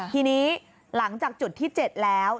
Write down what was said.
ทีนี้หลังจากจุดที่๗แล้ว